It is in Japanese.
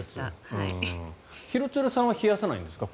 廣津留さんは冷やさないんですか？